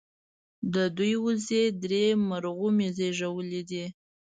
د دوي وزې درې مرغومي زيږولي دي